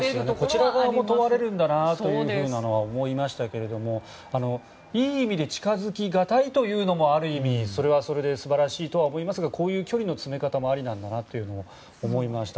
こちら側も問われるんだなというのは思いましたけれども、いい意味で近づきがたいというのがそれはそれで素晴らしいとは思いますがこういう距離の詰め方もありなんだなと思いました。